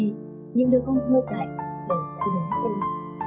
nhưng đứa con thơ dạy giờ đã lớn hơn